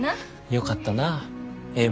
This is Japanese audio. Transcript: よかったなええ